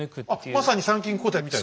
あっまさに参勤交代みたい。